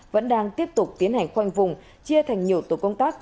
vẫn đang tiếp tục tiến hành khoanh vùng chia thành nhiều tổ công tác